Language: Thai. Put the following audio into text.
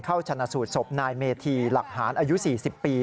ชนะสูตรศพนายเมธีหลักหารอายุ๔๐ปี